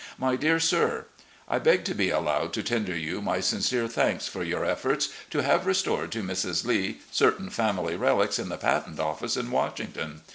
"My Dear Sir: I beg to be allowed to tender you my sincere thanks for your efforts to have restored to Mrs. Lee certain family relics in the Patent Office in Washing ton.